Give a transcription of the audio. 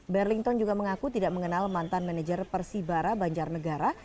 berlington juga mengaku tidak mengenal mantan manajer persibara banjarnegara